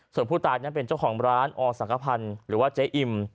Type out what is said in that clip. ส่วนผู้ตายนั้นเป็นเจ้าของร้านอสังกภัณฑ์หรือว่าเจ๊อิ่ม